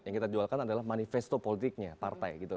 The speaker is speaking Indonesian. yang kita jualkan adalah manifesto politiknya partai gitu